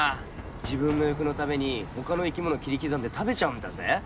自分の欲のためにほかの生き物切り刻んで食べちゃうんだぜ。